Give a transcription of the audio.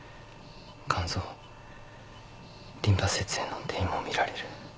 肝臓リンパ節への転移も見られる。